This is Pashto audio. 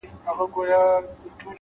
هوډ د ماتې احساس کمزوری کوي’